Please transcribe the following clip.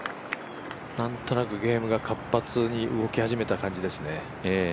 なんとなくゲームが活発に動き始めた感じですね。